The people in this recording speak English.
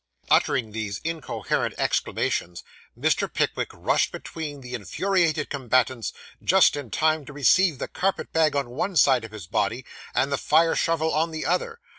Uttering these incoherent exclamations, Mr. Pickwick rushed between the infuriated combatants just in time to receive the carpet bag on one side of his body, and the fire shovel on the other.